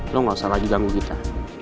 lo gak usah lagi ganggu kita